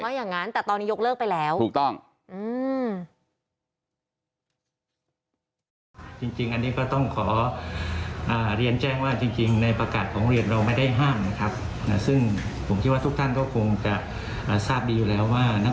ว่าอย่างนั้นแต่ตอนนี้ยกเลิกไปแล้ว